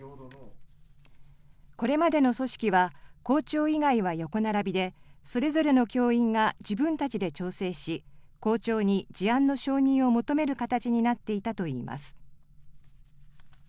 これまでの組織は、校長以外は横並びで、それぞれの教員が自分たちで調整し、校長に事案の承認を求める形になっていたといいます。